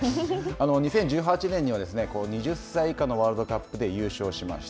２０１８年には２０歳以下のワールドカップで優勝しました。